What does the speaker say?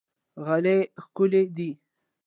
غالۍ ښکلې ده.